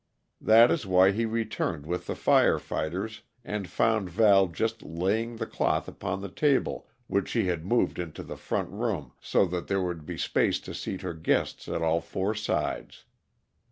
That is why he returned with the fire fighters and found Val just laying the cloth upon the table, which she had moved into the front room so that there would be space to seat her guests at all four sides.